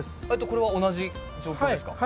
これは同じ状況ですか？